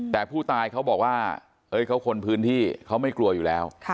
แต่ผู้ตายเขาบอกว่าคนพื้นที่เขาไม่กลัวอยู่แล้ว